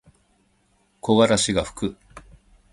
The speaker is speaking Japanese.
木枯らしがふく。